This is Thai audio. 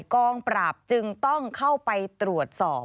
กองปราบจึงต้องเข้าไปตรวจสอบ